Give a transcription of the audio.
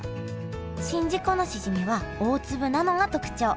宍道湖のしじみは大粒なのが特徴。